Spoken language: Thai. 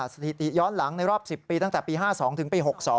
สถิติย้อนหลังในรอบ๑๐ปีตั้งแต่ปี๕๒ถึงปี๖๒